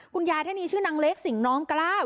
คุณยายท่านนี้ชื่อนางเล็กสิ่งน้องกล้าว